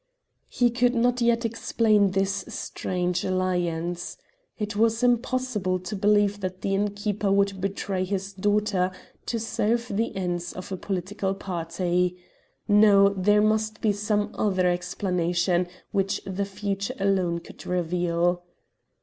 He could not yet explain this strange alliance. It was impossible to believe that the innkeeper would betray his daughter to serve the ends of a political party. No; there must be some other explanation which the future alone could reveal.